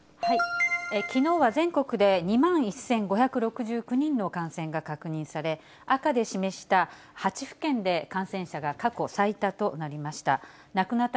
きのうは全国で２万１５６９人の感染が確認され、赤で示した８府県で感染者が過去最多となりました。